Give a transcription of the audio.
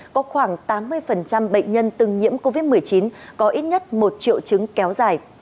có khoảng tám mươi bệnh nhân từng nhiễm covid một mươi chín có ít nhất một triệu chứng kéo dài